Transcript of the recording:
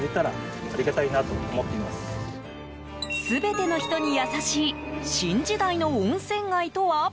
全ての人に優しい新時代の温泉街とは？